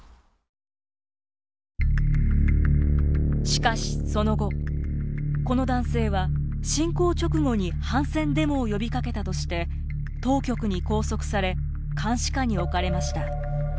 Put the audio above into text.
しかしその後この男性は侵攻直後に反戦デモを呼びかけたとして当局に拘束され監視下に置かれました。